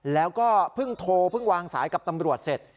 แล้วก็เพิ่งโทรเพิ่งวางสายกับตำรวจเสร็จ